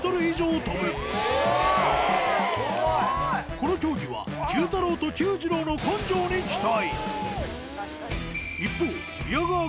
この競技はＱ太郎とＱ次郎の根性に期待